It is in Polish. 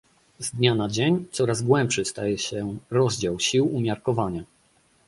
Z dnia na dzień coraz głębszy staje się rozdział sił umiarkowania